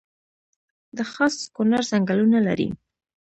د خاص کونړ ځنګلونه لري